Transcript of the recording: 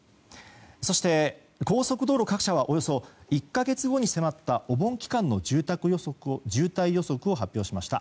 そして、高速道路各社はおよそ１か月後に迫ったお盆期間の渋滞予測を発表しました。